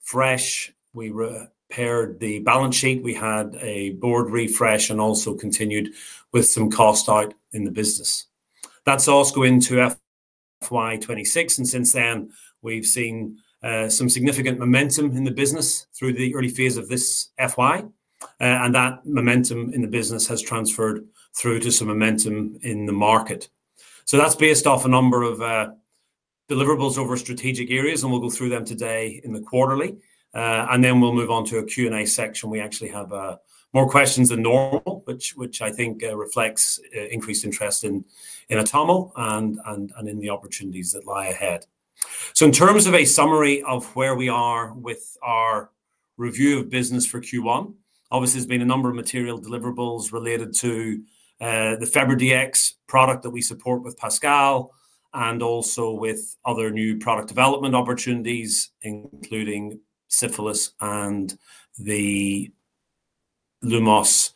Fresh, we repaired the balance sheet, we had a board refresh, and also continued with some costs out in the business. That's all going to FY 2026, and since then, we've seen some significant momentum in the business through the early phase of this FY. That momentum in the business has transferred through to some momentum in the market. That's based off a number of deliverables over strategic areas, and we'll go through them today in the quarterly. We'll move on to a Q&A section. We actually have more questions than normal, which I think reflects increased interest in Atomo and in the opportunities that lie ahead. In terms of a summary of where we are with our review of business for Q1, obviously there's been a number of material deliverables related to the Faber DX product that we support with Pascal, and also with other new product development opportunities, including syphilis and the Lumos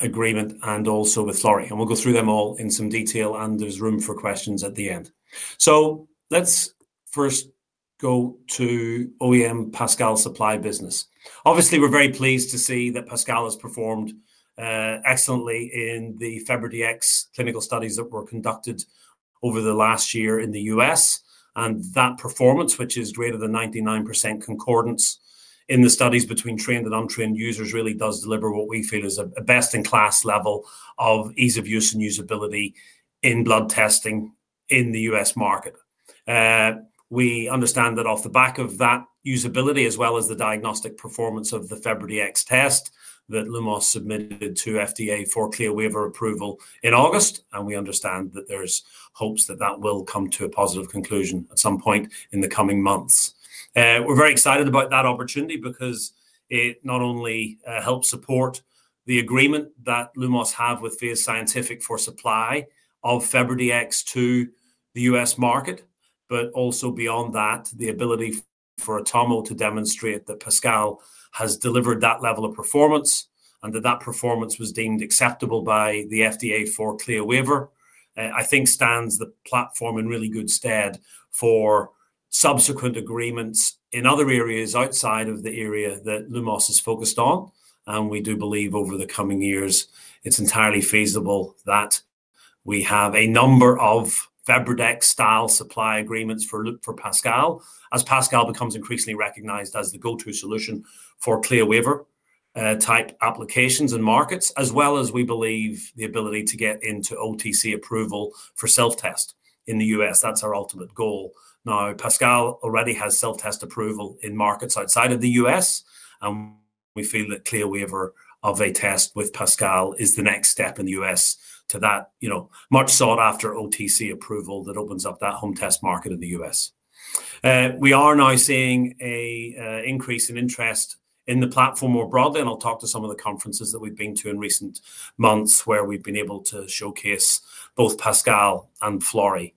agreement, and also with Flurry. We'll go through them all in some detail, and there's room for questions at the end. Let's first go to OEM Pascal supply business. Obviously, we're very pleased to see that Pascal has performed excellently in the Faber DX clinical studies that were conducted over the last year in the U.S. That performance, which is greater than 99% concordance in the studies between trained and untrained users, really does deliver what we feel is a best-in-class level of ease of use and usability in blood testing in the U.S. market. We understand that off the back of that usability, as well as the diagnostic performance of the Faber DX test that Lumos submitted to FDA for CLIA waiver approval in August, and we understand that there's hopes that that will come to a positive conclusion at some point in the coming months. We're very excited about that opportunity because it not only helps support the agreement that Lumos had with Phase Scientific for supply of Faber DX to the U.S. market, but also beyond that, the ability for Atomo to demonstrate that Pascal has delivered that level of performance and that that performance was deemed acceptable by the FDA for CLIA waiver, I think stands the platform in really good stead for subsequent agreements in other areas outside of the area that Lumos is focused on. We do believe over the coming years, it's entirely feasible that we have a number of Faber DX style supply agreements for Pascal, as Pascal becomes increasingly recognized as the go-to solution for CLIA waiver type applications and markets, as well as we believe the ability to get into OTC approval for self-test in the U.S. That's our ultimate goal. Pascal already has self-test approval in markets outside of the U.S., and we feel that CLIA waiver of a test with Pascal is the next step in the U.S. to that much sought-after OTC approval that opens up that home test market in the U.S. We are now seeing an increase in interest in the platform more broadly, and I'll talk to some of the conferences that we've been to in recent months where we've been able to showcase both Pascal and Flurry.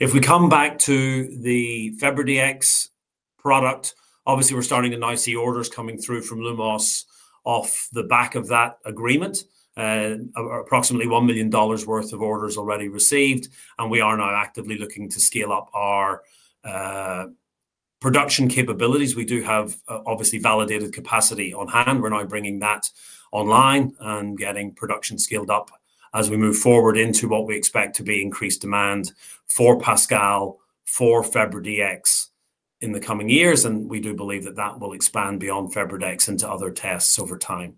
If we come back to the Faber DX product, obviously we're starting to now see orders coming through from Lumos off the back of that agreement. Approximately $1 million worth of orders already received, and we are now actively looking to scale up our production capabilities. We do have validated capacity on hand. We're now bringing that online and getting production scaled up as we move forward into what we expect to be increased demand for Pascal for Faber DX in the coming years, and we do believe that will expand beyond Faber DX into other tests over time.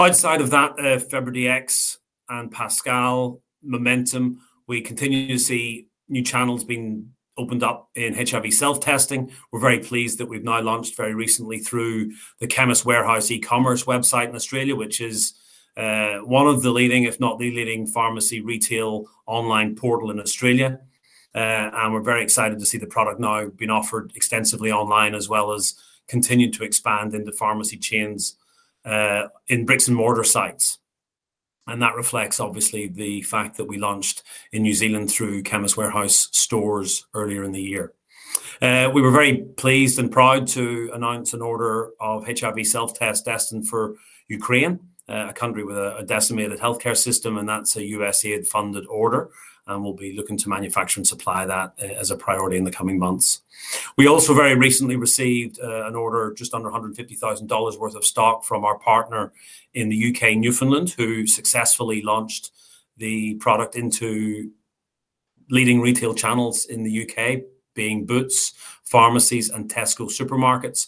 Outside of that Faber DX and Pascal momentum, we continue to see new channels being opened up in HIV self-testing. We're very pleased that we've now launched very recently through the Chemist Warehouse e-commerce website in Australia, which is one of the leading, if not the leading, pharmacy retail online portal in Australia. We are very excited to see the product now being offered extensively online, as well as continuing to expand into pharmacy chains in bricks and mortar sites. That reflects the fact that we launched in New Zealand through Chemist Warehouse stores earlier in the year. We were very pleased and proud to announce an order of HIV self-test destined for Ukraine, a country with a decimated healthcare system, and that's a USAID-funded order. We'll be looking to manufacture and supply that as a priority in the coming months. We also very recently received an order, just under $150,000 worth of stock from our partner in the U.K., Newfoundland Diagnostics, who successfully launched the product into leading retail channels in the U.K., being Boots Pharmacies and Tesco supermarkets.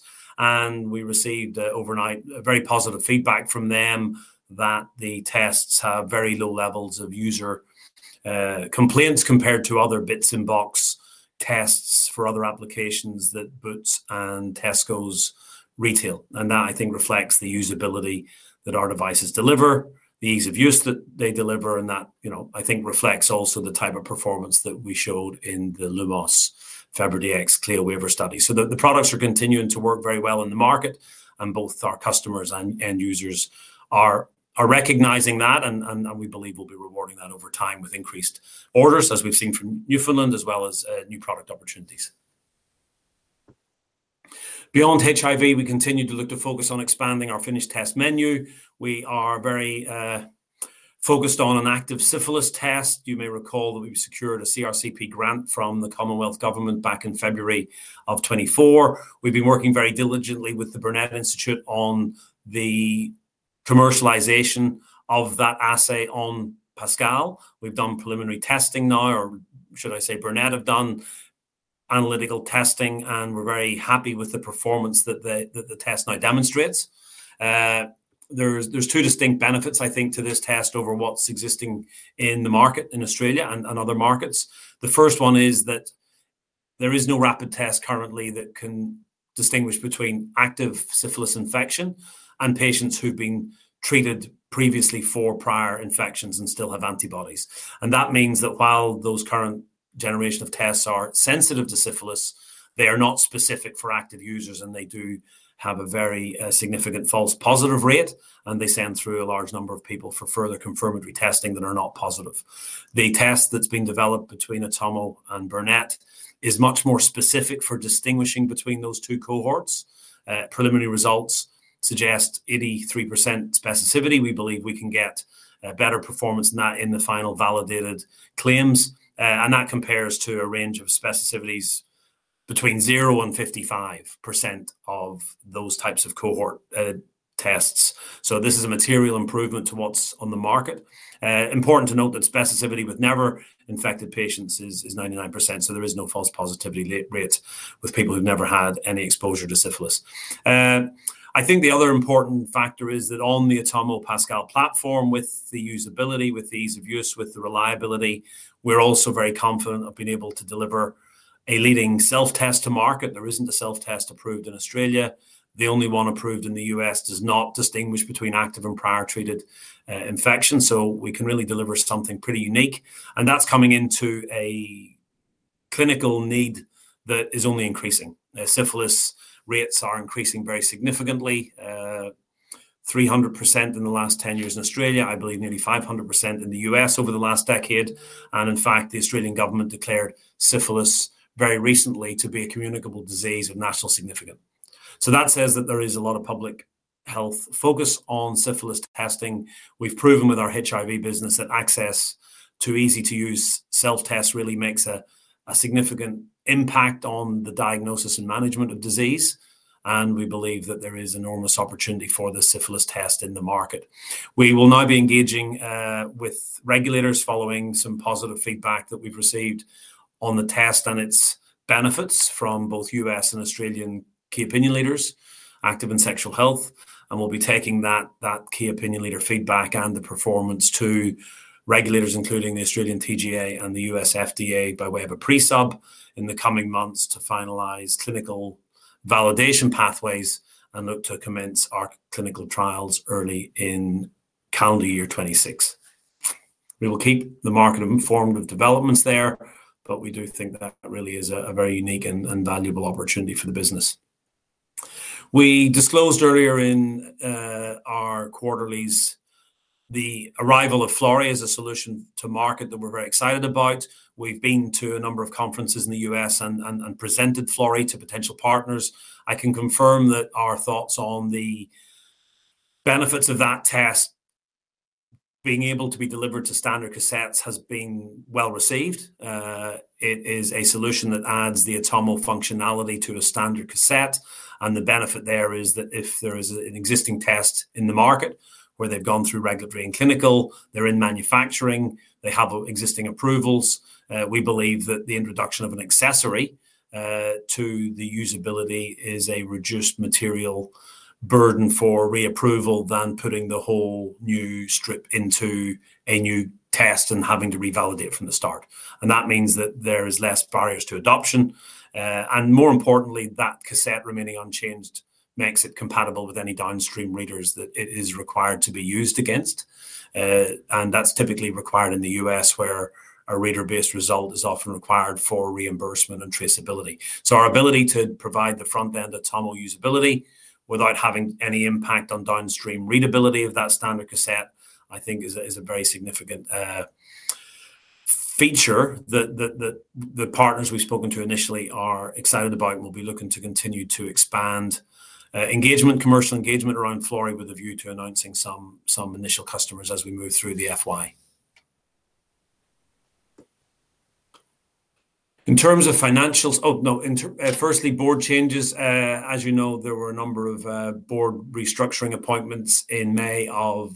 We received overnight very positive feedback from them that the tests have very low levels of user complaints compared to other bits-in-box tests for other applications that Boots and Tesco retail. I think that reflects the usability that our devices deliver, the ease of use that they deliver, and that, you know, I think reflects also the type of performance that we showed in the Lumos Faber DX CLIA waiver study. The products are continuing to work very well in the market, and both our customers and end users are recognizing that. We believe we'll be rewarding that over time with increased orders, as we've seen from Newfoundland Diagnostics, as well as new product opportunities. Beyond HIV, we continue to look to focus on expanding our finished test menu. We are very focused on an active syphilis test. You may recall that we secured a CRCP grant from the Commonwealth Government back in February of 2024. We've been working very diligently with the Burnet Institute on the commercialization of that assay on Pascal. We've done preliminary testing now, or should I say Burnet have done analytical testing, and we're very happy with the performance that the test now demonstrates. There are two distinct benefits, I think, to this test over what's existing in the market in Australia and other markets. The first one is that there is no rapid test currently that can distinguish between active syphilis infection and patients who've been treated previously for prior infections and still have antibodies. That means that while those current generation of tests are sensitive to syphilis, they are not specific for active users, and they do have a very significant false positive rate, and they send through a large number of people for further confirmatory testing that are not positive. The test that's been developed between Atomo Diagnostics and Burnet Institute is much more specific for distinguishing between those two cohorts. Preliminary results suggest 83% specificity. We believe we can get a better performance than that in the final validated claims. That compares to a range of specificities between 0% and 55% of those types of cohort tests. This is a material improvement to what's on the market. Important to note that specificity with never infected patients is 99%, so there is no false positivity rate with people who've never had any exposure to syphilis. I think the other important factor is that on the AtomoRapid Pascal platform, with the usability, with the ease of use, with the reliability, we're also very confident of being able to deliver a leading self-test to market. There isn't a self-test approved in Australia. The only one approved in the U.S. does not distinguish between active and prior treated infection, so we can really deliver something pretty unique. That is coming into a clinical need that is only increasing. Syphilis rates are increasing very significantly, 300% in the last 10 years in Australia, I believe nearly 500% in the U.S. over the last decade. In fact, the Australian government declared syphilis very recently to be a communicable disease of national significance. That says that there is a lot of public health focus on syphilis testing. We've proven with our HIV self-test business that access to easy-to-use self-tests really makes a significant impact on the diagnosis and management of disease. We believe that there is enormous opportunity for the syphilis test in the market. We will now be engaging with regulators following some positive feedback that we've received on the test and its benefits from both U.S. and Australian key opinion leaders, Active and Sexual Health. We'll be taking that key opinion leader feedback and the performance to regulators, including the Australian TGA and the U.S. FDA, by way of a pre-sub in the coming months to finalize clinical validation pathways and look to commence our clinical trials early in calendar year 2026. We will keep the market informed of developments there, but we do think that that really is a very unique and valuable opportunity for the business. We disclosed earlier in our quarterlies the arrival of Flurry as a solution to market that we're very excited about. We've been to a number of conferences in the U.S. and presented Flurry to potential partners. I can confirm that our thoughts on the benefits of that test, being able to be delivered to standard cassettes, have been well received. It is a solution that adds the Atomo functionality to a standard cassette. The benefit there is that if there is an existing test in the market where they've gone through regulatory and clinical, they're in manufacturing, they have existing approvals, we believe that the introduction of an accessory to the usability is a reduced material burden for reapproval than putting the whole new strip into a new test and having to revalidate from the start. That means that there are less barriers to adoption. More importantly, that cassette remaining unchanged makes it compatible with any downstream readers that it is required to be used against. That is typically required in the U.S. where a reader-based result is often required for reimbursement and traceability. Our ability to provide the front-end Atomo usability without having any impact on downstream readability of that standard cassette, I think, is a very significant feature that the partners we've spoken to initially are excited about and will be looking to continue to expand commercial engagement around Flurry with a view to announcing some initial customers as we move through the FY. In terms of financials, firstly, board changes. As you know, there were a number of board restructuring appointments in May of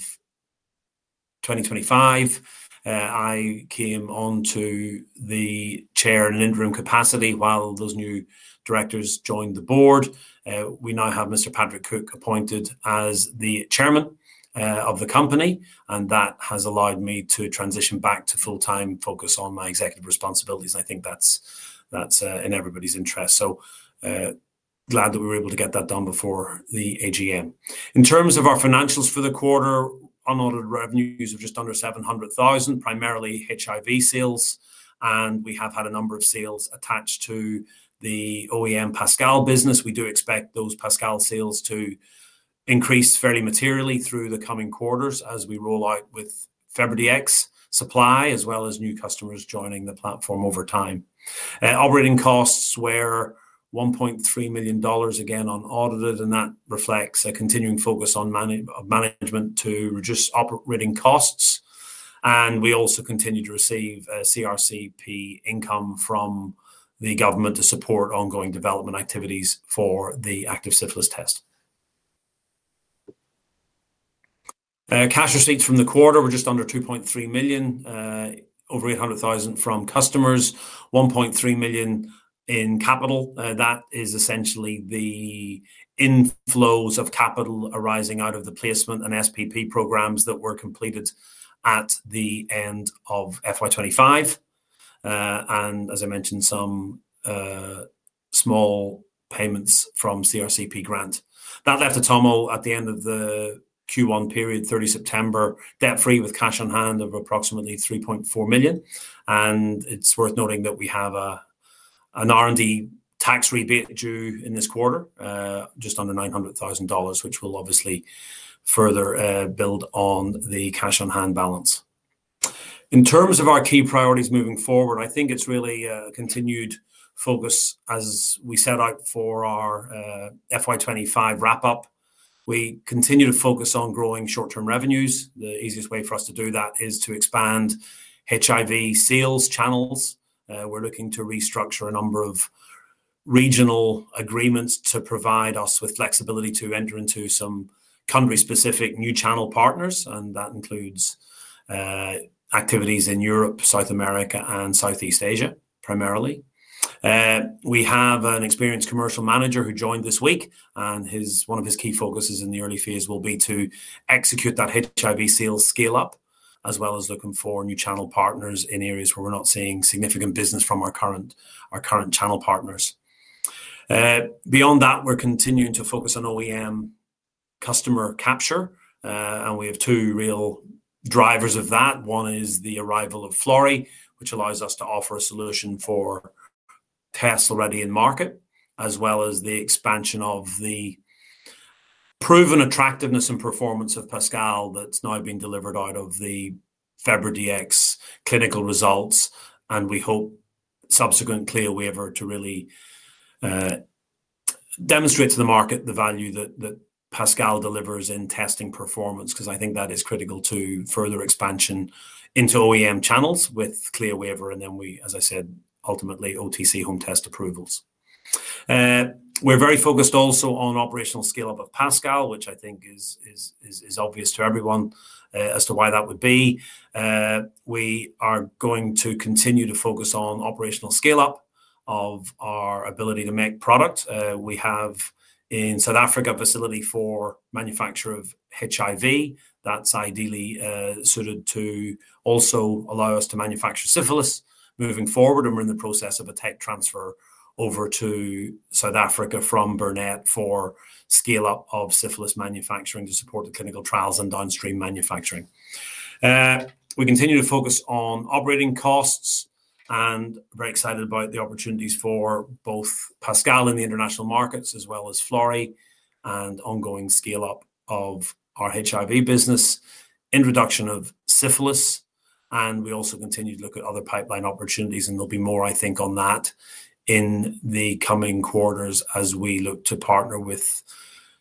2025. I came onto the Chair in interim capacity while those new directors joined the board. We now have Mr. Patrick Cook appointed as the Chairman of the company, and that has allowed me to transition back to full-time focus on my executive responsibilities. I think that's in everybody's interest. Glad that we were able to get that done before the AGM. In terms of our financials for the quarter, unaudited revenues are just under $700,000, primarily HIV sales. We have had a number of sales attached to the OEM Pascal business. We do expect those Pascal sales to increase fairly materially through the coming quarters as we roll out with Faber DX supply, as well as new customers joining the platform over time. Operating costs were $1.3 million, again, unaudited, and that reflects a continuing focus on management to reduce operating costs. We also continue to receive CRCP income from the government to support ongoing development activities for the active syphilis test. Cash receipts from the quarter were just under $2.3 million, over $800,000 from customers, $1.3 million in capital. That is essentially the inflows of capital arising out of the placement and SPP programs that were completed at the end of FY 25. As I mentioned, some small payments from CRCP grant. That left Atomo Diagnostics at the end of the Q1 period, 30 September, debt-free with cash on hand of approximately $3.4 million. It's worth noting that we have an R&D tax rebate due in this quarter, just under $900,000, which will obviously further build on the cash on hand balance. In terms of our key priorities moving forward, I think it's really a continued focus as we set out for our FY 2025 wrap-up. We continue to focus on growing short-term revenues. The easiest way for us to do that is to expand HIV self-test sales channels. We're looking to restructure a number of regional agreements to provide us with flexibility to enter into some country-specific new channel partners, and that includes activities in Europe, South America, and Southeast Asia, primarily. We have an experienced Commercial Manager who joined this week, and one of his key focuses in the early phase will be to execute that HIV self-test sales scale-up, as well as looking for new channel partners in areas where we're not seeing significant business from our current channel partners. Beyond that, we're continuing to focus on OEM customer capture, and we have two real drivers of that. One is the arrival of Flurry, which allows us to offer a solution for cassette-based tests already in market, as well as the expansion of the proven attractiveness and performance of AtomoRapid Pascal that's now being delivered out of the Faber DX clinical results. We hope subsequent CLIA waiver to really demonstrate to the market the value that AtomoRapid Pascal delivers in testing performance, because I think that is critical to further expansion into OEM channels with CLIA waiver. Ultimately, OTC home test approvals. We're very focused also on operational scale-up of AtomoRapid Pascal, which I think is obvious to everyone as to why that would be. We are going to continue to focus on operational scale-up of our ability to make product. We have in South Africa a facility for manufacture of HIV self-test that's ideally suited to also allow us to manufacture syphilis test moving forward. We're in the process of a tech transfer over to South Africa from Burnet Institute for scale-up of syphilis test manufacturing to support the clinical trials and downstream manufacturing. We continue to focus on operating costs and are very excited about the opportunities for both AtomoRapid Pascal in the international markets, as well as Flurry and ongoing scale-up of our HIV self-test business, introduction of syphilis test. We also continue to look at other pipeline opportunities, and there'll be more, I think, on that in the coming quarters as we look to partner with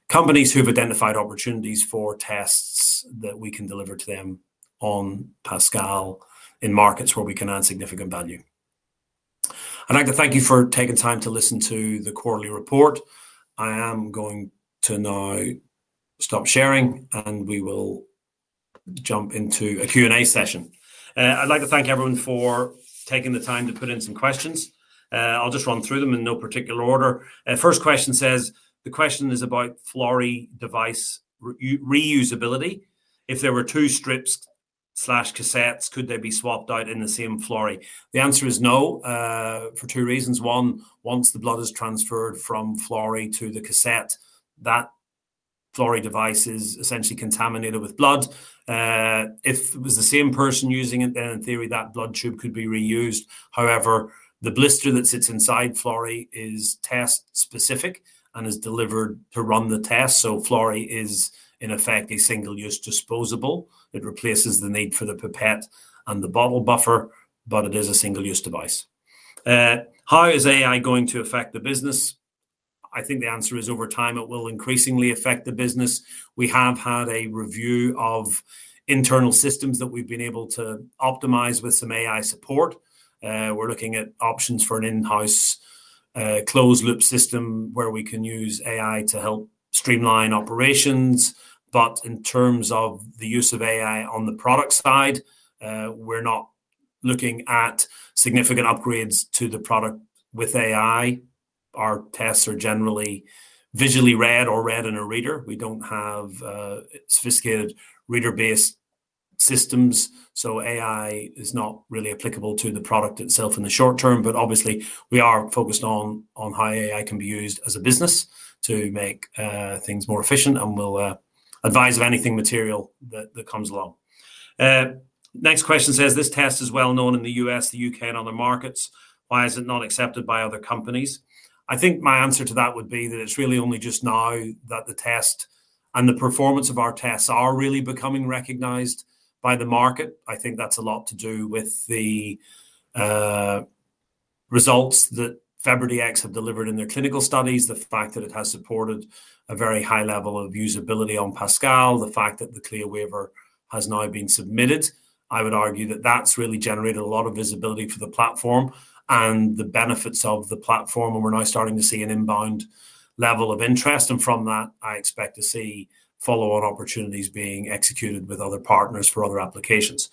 companies who've identified opportunities for tests that we can deliver to them on Pascal in markets where we can add significant value. I'd like to thank you for taking time to listen to the quarterly report. I am going to now stop sharing, and we will jump into a Q&A session. I'd like to thank everyone for taking the time to put in some questions. I'll just run through them in no particular order. First question says, the question is about Flurry device reusability. If there were two strips/cassettes, could they be swapped out in the same Flurry? The answer is no, for two reasons. One, once the blood is transferred from Flurry to the cassette, that Flurry device is essentially contaminated with blood. If it was the same person using it, then in theory, that blood tube could be reused. However, the blister that sits inside Flurry is test-specific and is delivered to run the test. Flurry is, in effect, a single-use disposable. It replaces the need for the pipette and the bottle buffer, but it is a single-use device. How is AI going to affect the business? I think the answer is over time, it will increasingly affect the business. We have had a review of internal systems that we've been able to optimize with some AI support. We're looking at options for an in-house closed-loop system where we can use AI to help streamline operations. In terms of the use of AI on the product side, we're not looking at significant upgrades to the product with AI. Our tests are generally visually read or read in a reader. We don't have sophisticated reader-based systems, so AI is not really applicable to the product itself in the short term. Obviously, we are focused on how AI can be used as a business to make things more efficient, and we'll advise of anything material that comes along. Next question says, this test is well known in the U.S., the U.K., and other markets. Why is it not accepted by other companies? I think my answer to that would be that it's really only just now that the test and the performance of our tests are really becoming recognized by the market. I think that's a lot to do with the results that Faber DX have delivered in their clinical studies, the fact that it has supported a very high level of usability on Pascal, the fact that the CLIA waiver has now been submitted. I would argue that that's really generated a lot of visibility for the platform and the benefits of the platform, and we're now starting to see an inbound level of interest. From that, I expect to see follow-on opportunities being executed with other partners for other applications.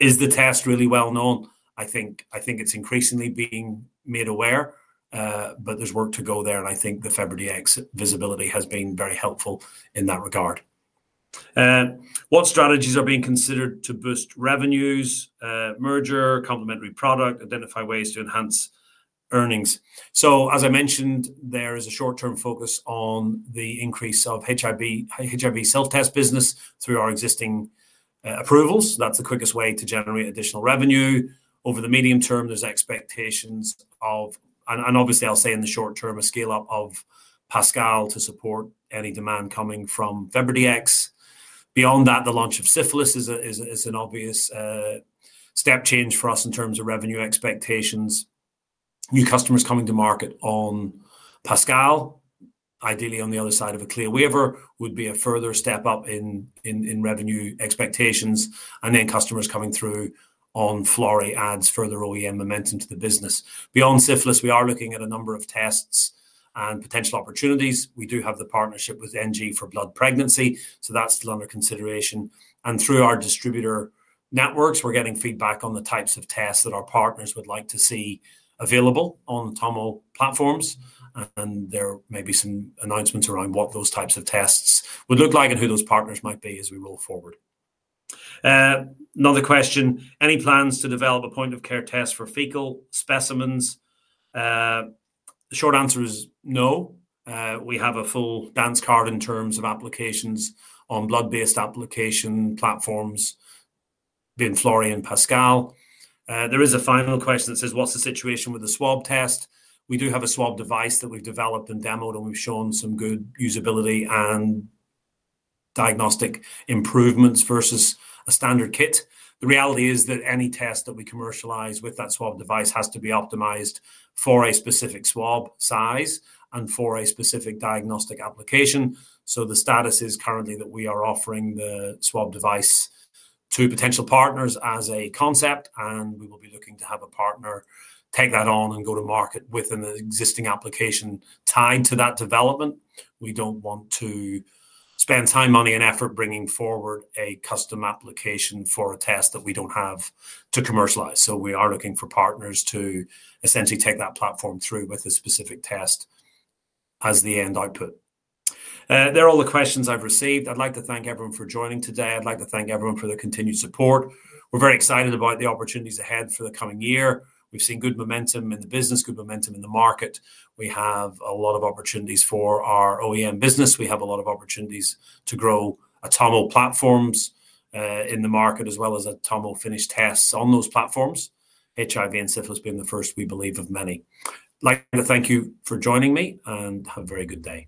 Is the test really well known? I think it's increasingly being made aware, but there's work to go there. I think the Faber DX visibility has been very helpful in that regard. What strategies are being considered to boost revenues? Merger, complementary product, identify ways to enhance earnings. As I mentioned, there is a short-term focus on the increase of HIV self-test business through our existing approvals. That's the quickest way to generate additional revenue. Over the medium term, there's expectations of, and obviously I'll say in the short term, a scale-up of Pascal to support any demand coming from Faber DX. Beyond that, the launch of syphilis is an obvious step change for us in terms of revenue expectations. New customers coming to market on Pascal, ideally on the other side of a CLIA waiver, would be a further step up in revenue expectations. Customers coming through on Flurry adds further OEM momentum to the business. Beyond syphilis, we are looking at a number of tests and potential opportunities. We do have the partnership with NG for blood pregnancy, so that's still under consideration. Through our distributor networks, we're getting feedback on the types of tests that our partners would like to see available on Atomo platforms. There may be some announcements around what those types of tests would look like and who those partners might be as we roll forward. Another question, any plans to develop a point-of-care test for fecal specimens? The short answer is no. We have a full dance card in terms of applications on blood-based application platforms, being Flurry and Pascal. There is a final question that says, what's the situation with the swab test? We do have a swab device that we've developed and demoed, and we've shown some good usability and diagnostic improvements versus a standard kit. The reality is that any test that we commercialize with that swab device has to be optimized for a specific swab size and for a specific diagnostic application. The status is currently that we are offering the swab device to potential partners as a concept, and we will be looking to have a partner take that on and go to market with an existing application tied to that development. We don't want to spend time, money, and effort bringing forward a custom application for a test that we don't have to commercialize. We are looking for partners to essentially take that platform through with a specific test as the end output. There are all the questions I've received. I'd like to thank everyone for joining today. I'd like to thank everyone for their continued support. We're very excited about the opportunities ahead for the coming year. We've seen good momentum in the business, good momentum in the market. We have a lot of opportunities for our OEM business. We have a lot of opportunities to grow Atomo platforms in the market, as well as Atomo finished tests on those platforms. HIV and syphilis being the first, we believe, of many. I'd like to thank you for joining me, and have a very good day.